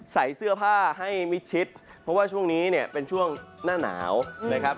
ใส่เสื้อผ้าให้มิดชิดเพราะว่าช่วงนี้เนี่ยเป็นช่วงหน้าหนาวนะครับ